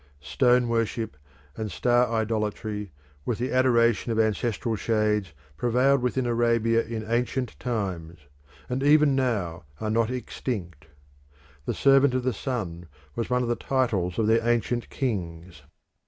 Stone worship and star idolatry, with the adoration of ancestral shades, prevailed within Arabia in ancient times, and even now are not extinct. "The servant of the sun" was one of the titles of their ancient kings.